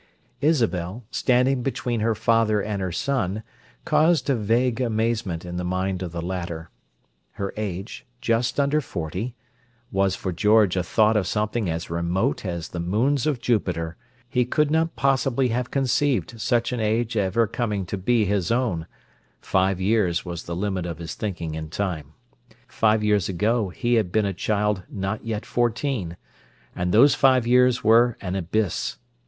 Isabel, standing between her father and her son caused a vague amazement in the mind of the latter. Her age, just under forty, was for George a thought of something as remote as the moons of Jupiter: he could not possibly have conceived such an age ever coming to be his own: five years was the limit of his thinking in time. Five years ago he had been a child not yet fourteen; and those five years were an abyss.